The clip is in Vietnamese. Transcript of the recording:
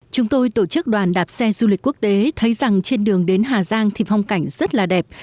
chúng tôi tổ chức đoàn đạp xe du lịch quốc tế thấy rằng trên đường đến hà giang thì phong cảnh rất là đẹp